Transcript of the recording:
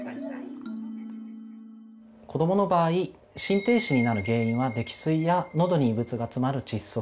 子どもの場合心停止になる原因は溺水やのどに異物が詰まる窒息